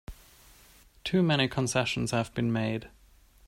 Too many concessions have been made!